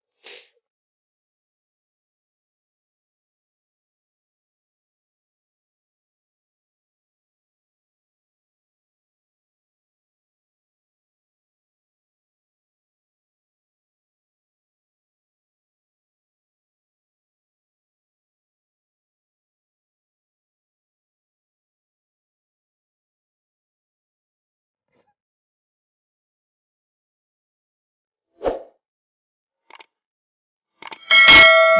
kita jadi muridnya dong